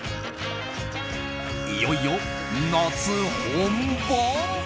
いよいよ、夏本番！